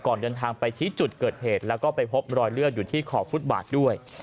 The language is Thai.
เดินทางไปชี้จุดเกิดเหตุแล้วก็ไปพบรอยเลือดอยู่ที่ขอบฟุตบาทด้วย